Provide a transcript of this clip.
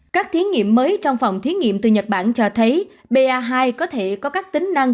các thiết nghiệm mới trong phòng thiết nghiệm từ nhật bản cho thấy ba hai có thể có các tính năng